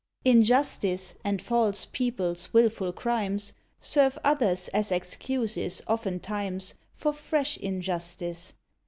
Injustice, and false people's wilful crimes, Serve others as excuses, oftentimes, For fresh injustice.